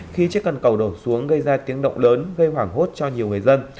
khi chiếc cân cầu đổ xuống gây ra tiếng động lớn gây hoảng hốt cho nhiều người dân